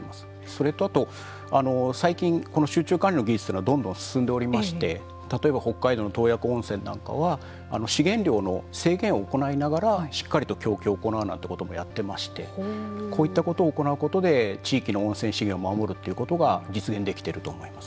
それとあと最近この集中管理の技術というのはどんどん進んでおりまして例えば北海道の洞爺湖温泉なんかは資源量の制限を行いながらしっかりと供給を行うなんてこともやってましてこういったことを行うことで地域の温泉資源を守るということが実現できていると思います。